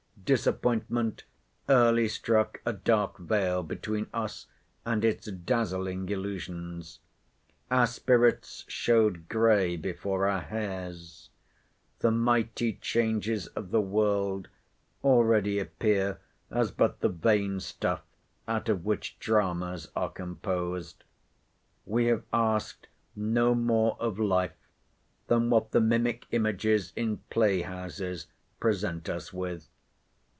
Disappointment early struck a dark veil between us and its dazzling illusions. Our spirits showed grey before our hairs. The mighty changes of the world already appear as but the vain stuff out of which dramas are composed. We have asked no more of life than what the mimic images in play houses present us with.